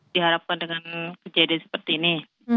diharapkan dengan kejadian seperti ini